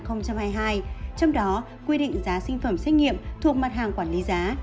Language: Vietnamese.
trong đó quy định giá sinh phẩm xét nghiệm thuộc mặt hàng quản lý giá